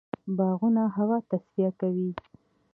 باغونه هوا تصفیه کوي.